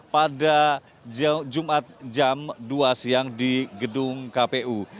pada jumat jam dua siang di gedung kpu